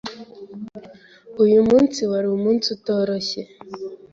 Uyu munsi wari umunsi utoroshye.